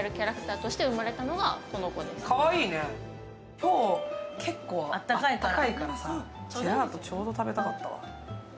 今日、結構あったかいからさジェラートちょうど食べたかった。